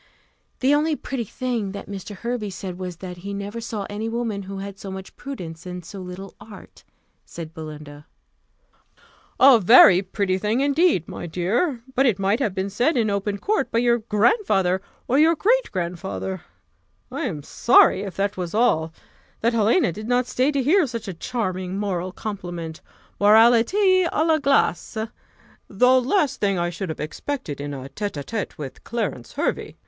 "The only pretty thing that Mr. Hervey said was, that he never saw any woman who had so much prudence and so little art," said Belinda. "A very pretty thing indeed, my dear! But it might have been said in open court by your grandfather, or your great grandfather. I am sorry, if that was all, that Helena did not stay to hear such a charming moral compliment Moralité à la glace. The last thing I should have expected in a tête à tête with Clarence Hervey.